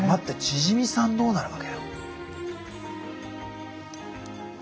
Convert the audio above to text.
チヂミさんどうなるわけよ。